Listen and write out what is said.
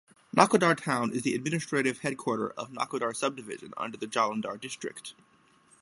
Nakodar Town is the administrative headquarter of Nakodar subdivision under Jalandhar district.